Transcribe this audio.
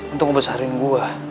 untuk ngebesarin gue